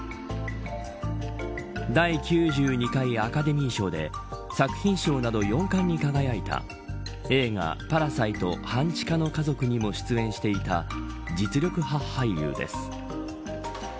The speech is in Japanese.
第９２回アカデミー賞で作品賞など４冠に輝いた映画パラサイト半地下の家族にも出演していた実力派俳優です。